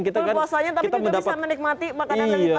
full puasanya tapi juga bisa menikmati makanan yang lebih panjang